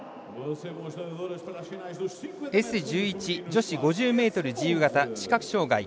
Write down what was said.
Ｓ１１女子５０ｍ自由形視覚障がい。